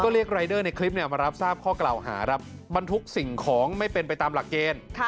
เรียกรายเดอร์ในคลิปมารับทราบข้อกล่าวหาครับบรรทุกสิ่งของไม่เป็นไปตามหลักเกณฑ์